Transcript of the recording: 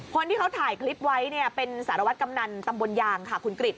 คนที่เขาถ่ายคลิปไว้เนี่ยเป็นสารวัตรกำนันตำบลยางค่ะคุณกริจ